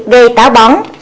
gây táo bóng